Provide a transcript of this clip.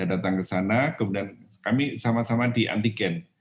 datang ke sana kemudian kami sama sama di antigen